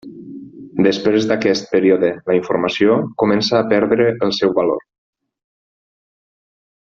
Després d’aquest període la informació comença a perdre el seu valor.